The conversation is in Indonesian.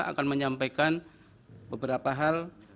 akan menyampaikan beberapa hal